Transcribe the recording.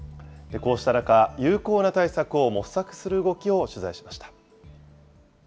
こうした中、有効な対策を模索する動きを取材しました。